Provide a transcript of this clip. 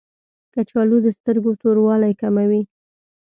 کچالو د سترګو توروالی کموي